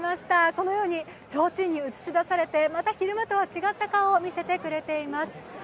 このようにちょうちんに映し出されて、また昼間とは違った顔をみせてくれています。